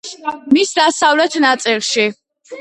მის დასავლეთ ნაწილში.